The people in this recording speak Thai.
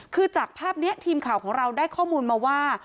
คือจากภาพนี้ทีมข่าวของเราได้ข้อมูลมาว่า